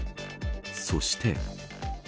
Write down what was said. そして。